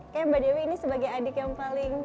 kayaknya mbak dewi ini sebagai adik yang paling